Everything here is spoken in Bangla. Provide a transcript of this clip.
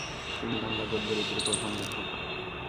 তিনি বাংলা গদ্যরীতির প্রথম লেখক।